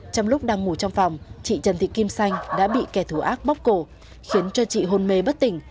trong lúc đang ngủ trong phòng chị trần thị kim xanh đã bị kẻ thù ác bóc cổ khiến cho chị hôn mê bất tỉnh